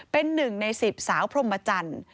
เป็นหนึ่งใน๑๐สาวพรหมจรรย์